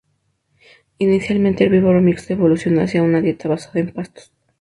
Inicialmente herbívoro mixto, evolucionó hacia una dieta basada en pastos.